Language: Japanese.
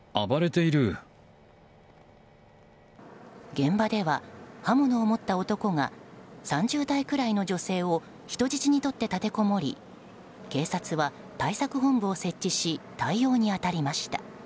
現場では刃物を持った男が３０代くらいの女性を人質にとって立てこもり警察は対策本部を設置し対応に当たりました。